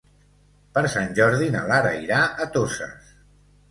Per Sant Jordi na Lara irà a Toses.